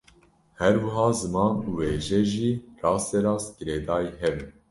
Her wiha ziman û wêje jî rasterast girêdayî hev in